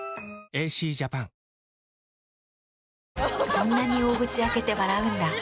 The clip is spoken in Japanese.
そんなに大口開けて笑うんだ。